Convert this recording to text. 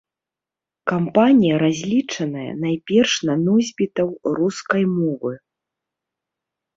Кампанія разлічаная найперш на носьбітаў рускай мовы.